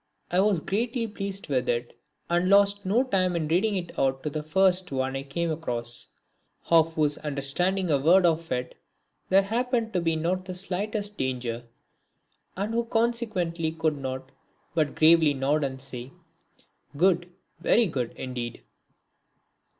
I was greatly pleased with it and lost no time in reading it out to the first one I came across; of whose understanding a word of it there happened to be not the slightest danger, and who consequently could not but gravely nod and say, "Good, very good indeed!"